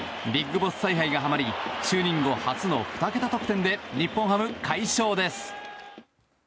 ＢＩＧＢＯＳＳ采配がはまり就任後、初の２桁得点で日本ハム、快勝です。